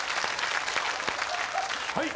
はい。